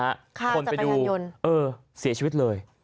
ฆ่าจักรยานยนต์คนไปดูเสียชีวิตเลย